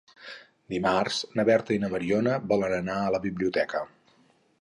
Dimarts na Berta i na Mariona volen anar a la biblioteca.